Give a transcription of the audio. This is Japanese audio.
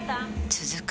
続く